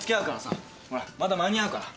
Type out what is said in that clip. ほらまだ間に合うから。